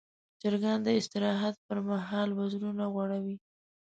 چرګان د استراحت پر مهال وزرونه غوړوي.